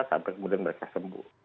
sampai kemudian mereka sembuh